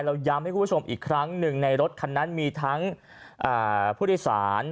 ย้ำให้คุณผู้ชมอีกครั้งหนึ่งในรถคันนั้นมีทั้งผู้โดยสาร